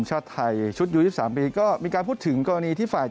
มาดามแป้งน